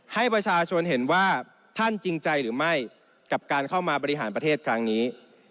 ให้ประชาชนเห็นว่าท่านจริงใจหรือไม่กับการเข้ามาบริหารประเทศครั้งนี้